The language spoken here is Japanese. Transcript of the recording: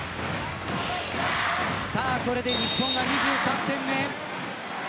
これで日本が２３点目。